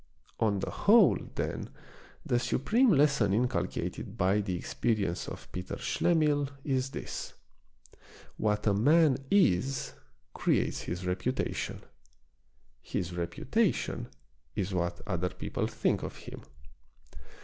On the whole, then, the supreme lesson inculcated by the experience of Peter Schlemihl is this : What a man is, creates his reputation. His reputation is what other people think of him.